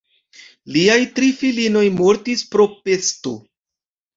Liaj tri filinoj mortis pro pesto.